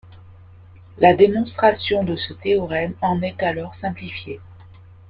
La démonstration de ce théorème en est alors simplifiée.